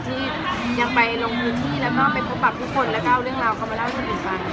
ที่ยังไปลงพื้นที่แล้วก็ไปพบกับทุกคนแล้วก็เอาเรื่องราวเขามาเล่าให้คนอื่นฟัง